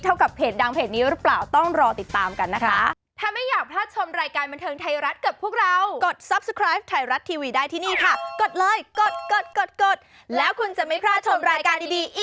กับเพจดังเพจนี้หรือเปล่าต้องรอติดตามกันนะคะ